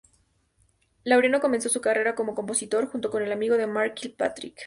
Laureano comenzó su carrera como compositor, junto con el amigo de Mark Kilpatrick.